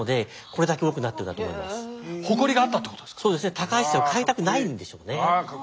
高橋姓を変えたくないんでしょうね。